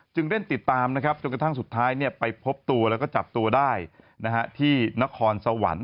เร่งติดตามนะครับจนกระทั่งสุดท้ายไปพบตัวแล้วก็จับตัวได้ที่นครสวรรค์